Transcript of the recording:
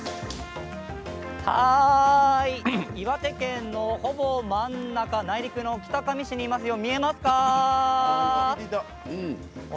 岩手県のほぼ真ん中内陸の北上市にいますよ。